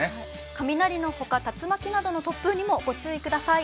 雷のほか、竜巻などの突風にも御注意ください。